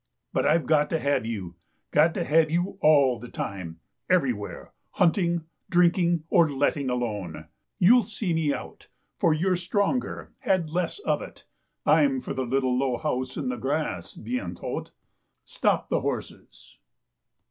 But I've got to have you — got to have you all the time, everywhere, hunting, drinking, or letting alone. You'll see me out, for you're stronger, had less of it. I'm for the little low house in the grass, bicntbt. Stop the horses."